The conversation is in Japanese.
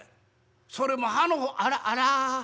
それも刃の方あらあら。